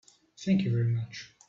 Thank you very much.